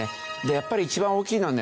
やっぱり一番大きいのはね